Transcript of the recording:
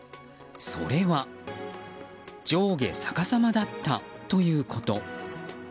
それは上下逆さまだったということ。